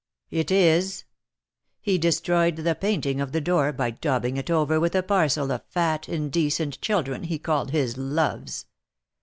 "It is; he destroyed the painting of the door by daubing it over with a parcel of fat, indecent children he called his loves.